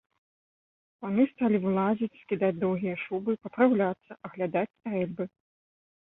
Паны сталі вылазіць, скідаць доўгія шубы, папраўляцца, аглядаць стрэльбы.